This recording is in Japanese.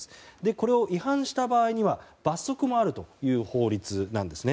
これを違反した場合には罰則もあるという法律です。